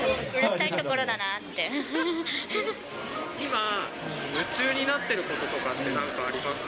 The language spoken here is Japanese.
今、夢中になってることとかって、何かありますか？